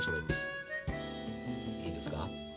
いいですか。